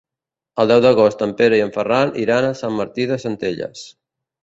El deu d'agost en Pere i en Ferran iran a Sant Martí de Centelles.